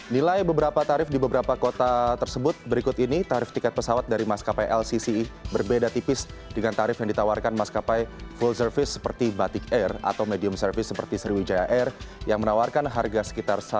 nilai beberapa tarif di beberapa kota tersebut berikut ini tarif tiket pesawat dari maskapai lcce berbeda tipis dengan tarif yang ditawarkan maskapai full service seperti batik air atau medium service seperti sriwijaya air yang menawarkan harga sekitar